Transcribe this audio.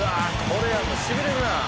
これはもうしびれるなあ！」